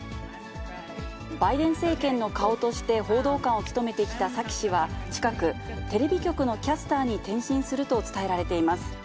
バイデン政権の顔として報道官を務めてきたサキ氏は近く、テレビ局のキャスターに転身すると伝えられています。